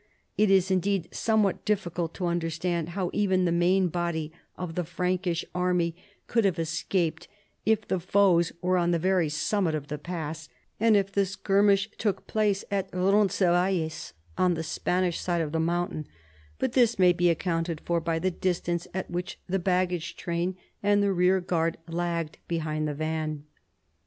It is indeed somewhat difficult to understand how even the main body of the Frankish army could have escaped, if the foes were on the very summit of the pass, and if the skirmish took place at Roncesvalles on the Spanish side of the mountain : but this may be accounted for by the distance at which the baggage train and the rear guard lagged behind the van.